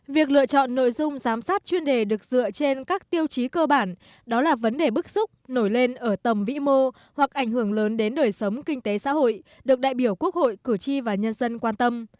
việc lựa chọn nội dung giám sát chuyên đề được dựa trên các tiêu chí cơ bản đó là vấn đề bức xúc nổi lên ở tầm vĩ mô hoặc ảnh hưởng lớn đến đời sống kinh tế xã hội được đại biểu quốc hội cử tri và nhân dân quan tâm